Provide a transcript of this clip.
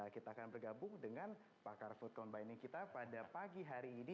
kita akan bergabung dengan pakar food combining kita pada pagi hari ini